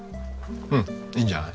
うんいいんじゃない。